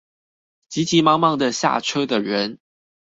急急忙忙地下車的人